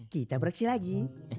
kita bereksi lagi